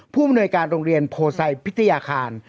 ผู้อำนวยการโรงเรียนโพไซพิทยาคาร